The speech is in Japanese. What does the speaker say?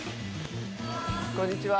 こんにちは。